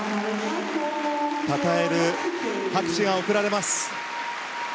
たたえる拍手が送られます。